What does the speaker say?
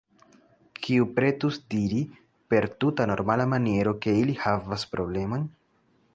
Kiu pretus diri, per tuta normala maniero, ke ili havas problemojn?